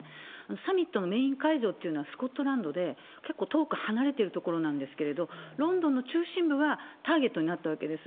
サミットのメイン会場というのはスコットランドで、結構遠く離れている所なんですけど、ロンドンの中心部がターゲットになったわけです。